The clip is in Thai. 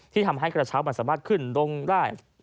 ทำให้กระเช้ามันสามารถขึ้นดงได้